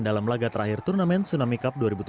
dalam laga terakhir turnamen tsunami cup dua ribu tujuh belas